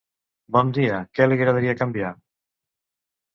Bon dia, què li agradaria canviar?